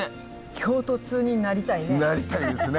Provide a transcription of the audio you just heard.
京都通になりたいね。